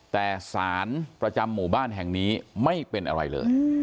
แต่สารประจำหมู่บ้านแห่งนี้ไม่เป็นอะไรเลย